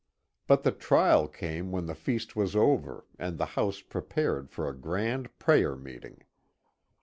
But the trial came when the feast was over, and the house prepared for a grand prayer meeting.